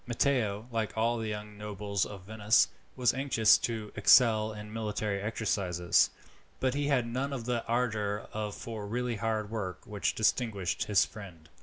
Matteo, like all the young nobles of Venice, was anxious to excel in military exercises, but he had none of the ardour for really hard work which distinguished his friend.